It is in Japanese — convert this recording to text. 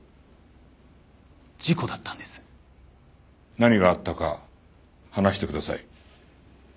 何があったか話してください。